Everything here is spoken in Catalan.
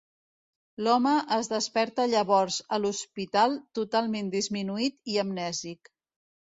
L'home es desperta llavors a l'hospital totalment disminuït i amnèsic.